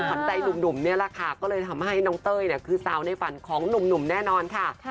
ขวัญใจหนุ่มนี่แหละค่ะก็เลยทำให้น้องเต้ยคือสาวในฝันของหนุ่มแน่นอนค่ะ